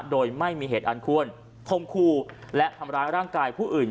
โดยไม่มีเหตุอันควรคมคู่และทำร้ายร่างกายผู้อื่น